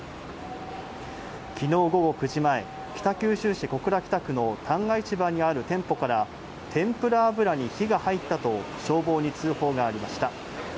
昨日午後９時前、北九州市小倉北区の旦過市場にある店舗から天ぷら油に火が入ったと消防に通報がありました。